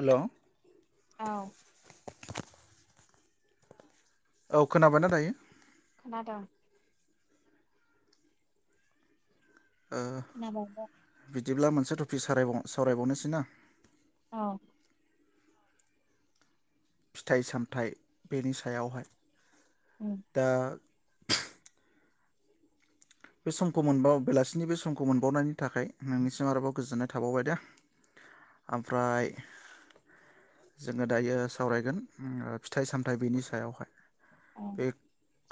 Hello. औ। औ खोनाबाय ना दायो। [unintelligible] [unintelligible] दिब्ला मोनसे टपिक सारायबाव सावरायबावनोसै ना। अ। फिथाइ सामथाइ बेनि सायावहाय। उम दा बे समखौ मोनबाव बेलासिनि बे समखौ मोनबावनायनि थाखाय नोंनिसिम आरोबाव गोजोननाय थाबावबाय दे ओमफ्राय जोङो दायो सावरायगोन फिथाइ सामथाइ बिनि सायावहाय। औ बे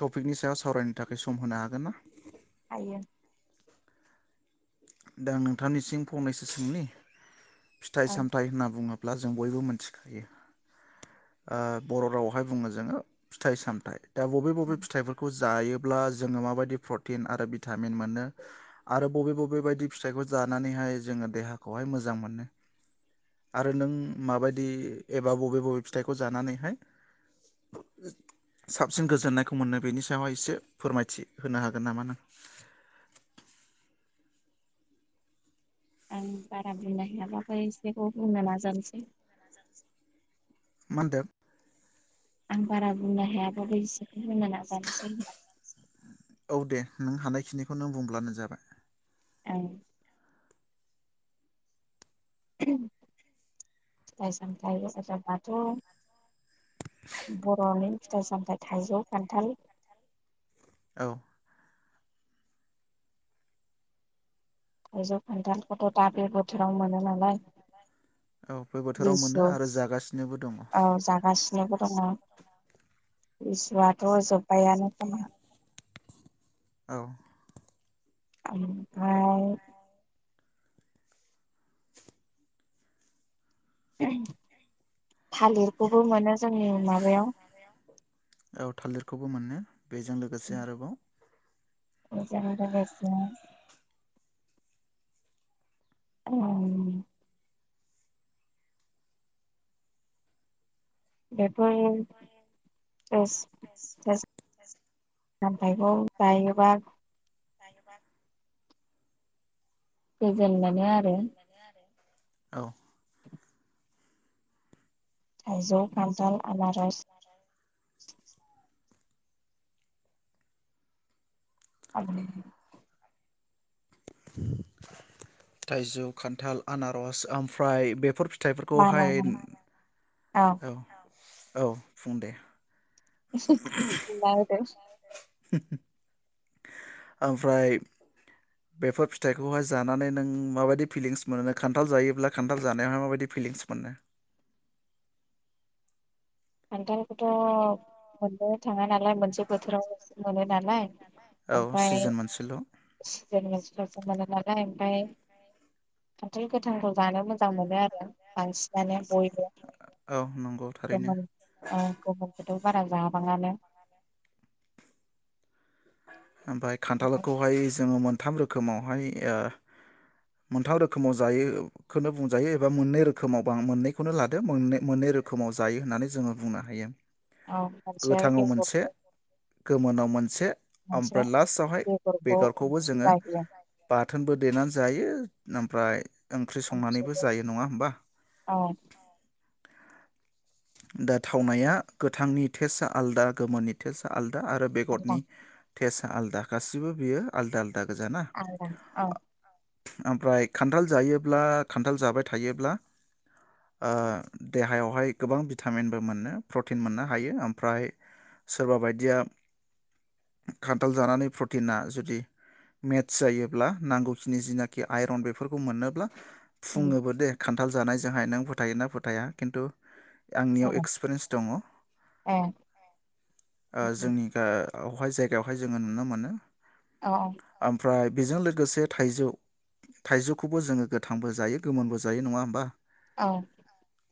टपिकनि सायाव सावरायनो थाखाय सम होनो हागोन ना। हायो। दां नोंथांनिसिम फंनैसो सोंनि फिथाइ औ सामथाय होनना बुङोब्ला जों बयबो मोन थिखायो ओ बर' रावआवहाय बुङो जोङो फिथाइ सामथाइ दा बबे औ बबे फिथाइफोरखौ जायोब्ला जोङो माबायदि प्रटिन आरो भिटामिन मोनो आरो बबे बबे बायदि फिथाइखौ जानानैहाय जोङो देहाखौहाय मोजां मोनो। आरो नों माबायदि एबा बबे बबे फिथाइखौ जानानैहाय साबसिन गोजोननायखौ मोनो बेनि सायावहाय एसे फोरमायथि होनो हागोन नामा नों। आं बारा बुंनो हायाबाबो एसेखौ बुंनो नाजानोसै। मानदों आं बारा बुंनो हायाबाबो इसे बुंनो नाजानोसै। औ दे नों हानायखिनिखौ नों बुंब्लानो जाबाय। ओं। फिथाइ सामथाइ [unintelligible] बर'नि फिथाइ सामथाइ थाइजौ खान्थाल औ। थाइजौ खान्थालखौथ' दा बे बोथोराव मोनो नालाय। औ बे बोथोराव लिसु मोनो आरो जागासिनोबो दङ। औ जागासिनोबो दङ लिसुआथ जोब बायानो खोमा। औ ओमफाय [inaudible] थालिरखौबो मोनो जोंनि माबायाव औ थालिरखौबो मोननो। बेजों लोगोसे आरोबाव बेजों लोगोसे [unintelligible] बेफोर एस देस जाम्फाइखौ जायोबा जायोबा जेननानै आरो। औ थाइजौ खान्थाल आनार'स [unintelligible] थाइजौ खान्थाल आनार'स ओमफ्राय बेफोर फि थाइफोरखौहाय बानाना औ औ बुं दे। बुंना होदो। ओमफ्राय बेफोर फिथाइखौहाय जानानै नों माबायदि फिलिंस मोनो खान्थाल जायोब्ला खान्थाल जानायावहाय माबायदि फिलिंस मोनो? खान्थालखौथ' मोननो थाङा नालाय मोनसे बोथोरावल'सो मोनो नालाय औ ओमफाय सिजोन मोनसेल' [unintelligible] [unintelligible] मोनो नालाय ओमफाय खान्थाल गोथांखौ जानो मोजां मोनो आरो। बांसिनानो बयबो औ नंगौ थारैनो औ [unintelligible] थ' बारा जाबाङानो। ओमफाय खान्थालखौहाय जोङो मोन थाम रोखोमावहाय ओ मोनथाम रोखोमाव जायो खोनो बुंजायो एबा मोननै रोखोमाव बा मोननैखौनो लादो मोननै मोननै रोखोमाव जायो होननानै जोङो बुंनो हायो। औ मोनसे आरो गोथाङाव मोनसे बेगरखौ गोमोनाव मोनसे ओमफ्राय मोनसे लास्टआवहाय बेगरखौ बेगरखौबो ओंख्रि जोङो जायो बाथोनबो देनानै जायो ओमफ्राय ओंख्रि संनानैबो ओंख्रिबो जायो नङा होमबा? औ दा थावनाया गोथांनि टेस्टआ आलादा गोमोननि टेस्टआ [unintelligible] आरो आलदा बेगरनि टेस्त। आलदा गासिबो बियो आलदा [unintelligible] [unintelligible] औ ओमफ्राय खान्थाल जायोब्ला खान्थाल जाबाय थायोब्ला ओ देहायावहाय। गोबां भिटामिनबो मोनो प्रटिन मोननो हायो ओमफ्राय सोरबा बायदिया खान्थाल जानानै प्रटिना जुदि मेट्स जायोब्ला नांगौखिनि जिनाखि आइरन बेफोरखौ मोनोब्ला। उम फुङोबो दे ख जानाय जोहाय नों फोथायोना फोथाया खिन्थु आंनियाव जाया एक्सपिरियेन्स दङ [unintelligible] ओ ए उम जोंनि ओ [unintelligible] जायगायावहाय जोङो नुनो मोनो। औ औ [unintelligible] ओमफ्राय बेजों लोगोसे थाइजौ थाइजौखौबो जोङो गोथांबो जायो गोमोनबो जायो नङा होमबा। [unintelligible]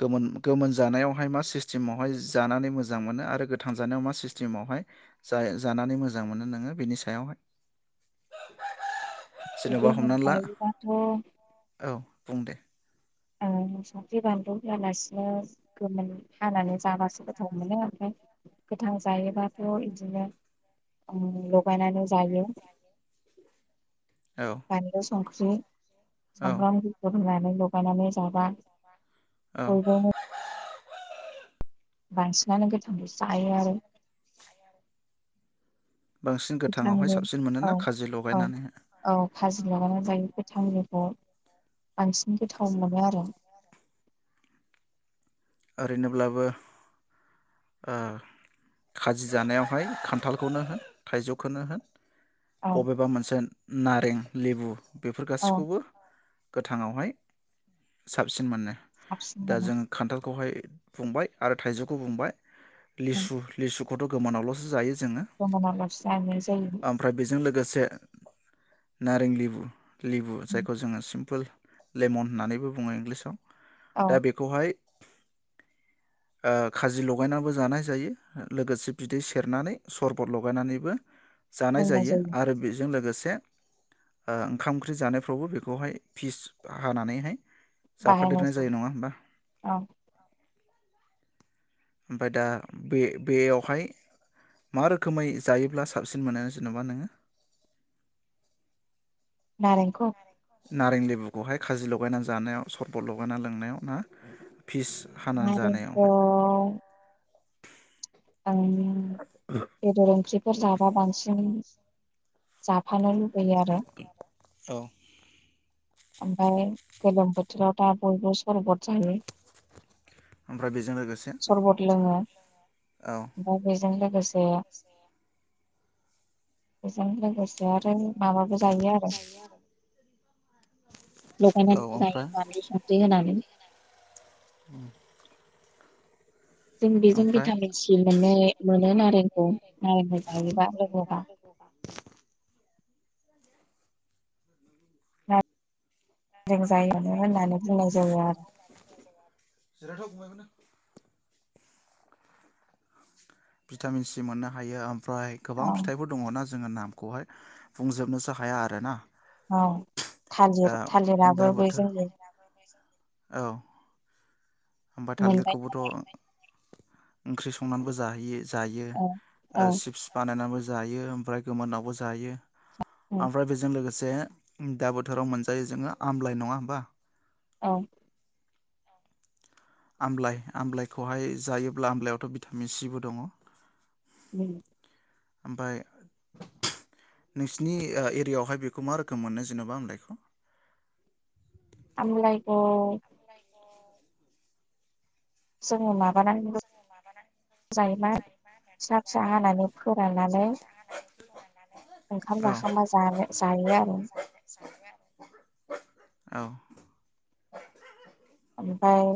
गोमोन गोमोन जानायावहाय मा सिस्टेमावहाय जानानै मोजां मोनो आरो गोथां जानायाव मा सिस्टेमावहाय जाय जानानै मोजां मोनो नोङो बिनि सायावहाय। [unintelligible] जेन'बा गोमोन हमनानै ला जायोब्लाथ' [unintelligible] ओ संख्रि बानलु होआलासिनो गोमोन हानानै जाबासो गोथाव मोनो ओमफ्राय गोथां जायोबाथ' बिदिनो ओम लगायनानै जायो। औ बानलु [unintelligible] [unintelligible] [unintelligible] [unintelligible] औ लगायनानै जाबा। औ [unintelligible] बांसिनानो गोथां [unintelligible] जायो आरो। बांसिन गोथाङावहाय गोथांङावनो साबसिन औ मोनोना खाजि औ लगायनानै औ खाजि लागानानै जायो गोथांनि। ओ बांसिन गोथाव मोनो आरो ओरैनोब्लाबो ओ खाजि जानायावहाय खान्थालखौनो होन थाइजौखौनो होन औ बबेबा मोनसे नारें लेबु। बेफोर औ गासैखौबो गोथाङावहाय साबसिन मोनो। दा हाबसिननानै जों खान्थाल बेहाय बुंबाय आरो थाइजौखौ बुंबाय। लिसु लिसु। थ' गोमोनावल'सो जायो। जोङो [unintelligible] जानाय जायो गोसे नारें लेबु लेबु जायखौ जोङो सिम्पोल लेमन होननानैबो बुङो इंलिसाव औ दा बेखौहाय ओ खाजि लगायनानैबो जानाय जायो लोगोसे बिदै सेरनानै सरबत लगायनानैबो जानाय जायो आरो बेजों लोगोसे से ओ ओंखाम ओंख्रि जानायफ्रावबो बेखौहाय फिस हानानैहाय बाहायनाय जाफादेरनाय जायो नङा होमबा ओ ओमफ्राय दा बे-बेयावहाय मा रोखोमै जायोब्ला साबसिन मोनो जेनेबा नोङो [inaudible] नारेंखौ? नारें लेबुखौहाय खाजि लगायनानै जानायाव सरबत लगायना लोंनायाव ना फिस हानानै नारेंखौ जानायावहाय [inaudible] आंङो बेदर ओंख्रिफोर जाबा बांसिन जाफानो लु होयो आरो औ ओमफ्राय गोलोम बोथोराव दा बयबो सरबद जायो ओमफ्राय बेजों लोगोसे औ ओमफाय बेज जों लोगोसे बेजों लोगोसे आरो माबाबो जायो आरो औ लगायनानै जायो ओमफ्राय बानलु संख्रि होनानै [inaudible] जों बेजों ओमफ्राय भिटामिन सि मोननो मोनो नारेंखौ नारेंखौ जायोबा लोगोबा। [unintelligible] जों जायो होननानै बुंनाय जायो आरो। भिटामिन सि मोननो हायो फ्राय औ गोबां फिथाइफोर दङ ना जोङो नामखौहाय बुंजोबनोसो हाया आरो ना औ दा थालिर-थालिराबो बे बोथोर जोंनि औ होमबा मोनबाय थालिरखौबोथ' ओंख्रि संनानैबो जाहैयो जायो औ औ ओ सिप्स बानायनानै जायो ओमफ्राय गोमोनावबो जायो। ओमफ्राय बेजों लोगो जे दा बोथोराव मोनजायो जोङो आमलाइ। नङा होमबा? औ आमलाइ आमलाइखौहाय जायोब्ला आमलइायावथ' भिटामिन सिबो दङ। उम ओफ्राय नोंसिनि ओ एरियायावहाय बेखौ मा रोखोम मोनो जेन'बा आमलाइखौ? आमलाइखौ जोङो ना [inaudible] फिसा फिसा हानानै फोराननानै ओंखाम औ जाखांबा जा-जायो आरो औ ओमफ्राय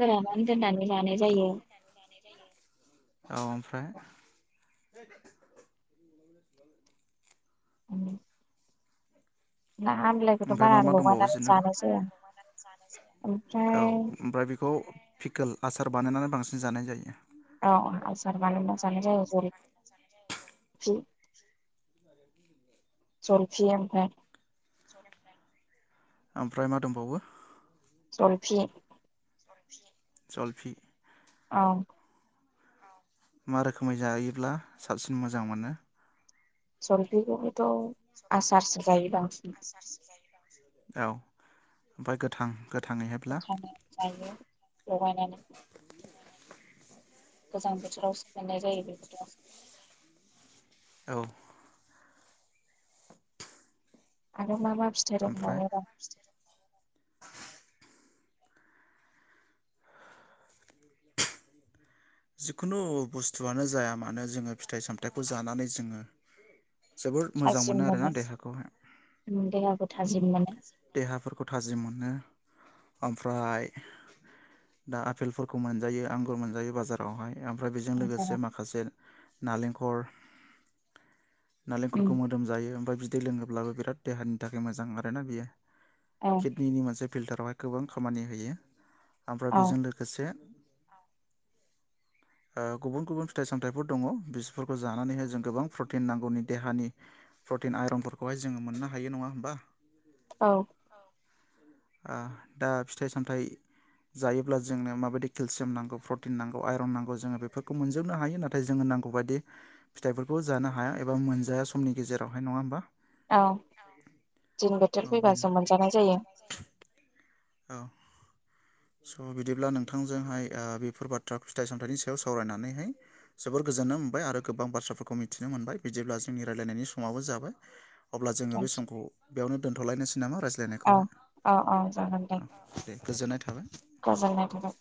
फोराननानै दोननानै जानाय जायो। औ ओमफ्राय उम ना आमलायखौथ' ओमफ्राय मा बारा मा दंबावो लगायनानै जेनेबा जानाय जाया ओमफ्राय फिकोल आसार बानायनानै बांसिन जानाय जायो। अ आसार बानायना जानाय जायो जेरै फि जलपि ओमफ्राय ओमफ्राय मा दंबावो? जलफि जलफि औ मा रोखोमै जायोब्ला साबसिन मोजां मोनो? जलफिखौबोथ' आसारसो जायोदां आसारसो जायो। औ ओमफ्राय गोथां गो गोथांयै जायो। लगायनानै गोजां बोथोराव सोलायनाय जायो बे बोथोरा औ आरो माबा फिथाइ ओमफ्राय दंबावो दा। जिकुनु बुस्थुआनो जाया मानो जोङो फिथाइ सामथाइखौ जानानै जोङो जोबोर मोजां मोनो आरोना देहाखौहाय देहाखौ थाजिम मोनो देहाफोरखौ थाजिम मोनो। आमफ्राय दा आपेलफोरखौ मोनजायो आंगुर मोनजायो बाजार बावहाय आमफ्राय बेजों लोगोसे आसारा माखासे नालेंखर [unintelligible] उम नालेंखरखौ मोदोम जायो ओमफाय बिद दै लोङोब्लाबो बिराद देहानि थाखाय मोजां आरोना बियो। औ किडनिनि मोनसे फिल्टारावहाय गोबां खामानि होयो। आमफ्राय औ बेजों लोगोसे गुबुन गुबुन फिथाइ सामथाइफोर दङ बिसोरफोरखौ जानानैहाय जों गोबां प्रटिन नांगौनि देहानि प्रटिन आइरनफोरखौहाय जोङो मोननो हायो नङा होमबा औ दा फिथाइ सामथाइ जायोब्ला जोंनो माबायदि केलसियाम नांगौ प्रटिन नां आइरन नांगौ जोङो बेफोरखौ मोनजोबनो हायो आयरन नांगौ जोङो बेफोरखौ मोनजोबनो हायो नाथाय जोङो नांगौ बायदि फिथाइफोरखौ जानो हाया एबा मोनजाया समनि गेजेरावहाय नङा होमबा। औ दिन बोथोर औ बेनो फैबासो मोनजानाय जायो। औ स' बिदिब्ला नोंथांजोंहाय बेफोर बाथ्रा फिथाइ सामथाइनि सायाव सावरायनानैहाय जोबोर गोजोननाय मोनबाय आरो गोबां बाथ्राफोरखौ मिथिनो मोनबाय बिदिब्ला जोंनि रायलायनायनि समाबो जाबाय। अब्ला जोङो बे समखौ बेयावनो दोन्थ'लायनोसै नामा रायज्लायनायखौहाय औ। दे [unintelligible] गोजोननाय थाबाय। गोजोननाय थाबाय।